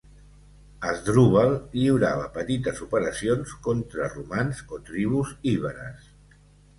Àsdrubal lliurava petites operacions contra romans o tribus iberes.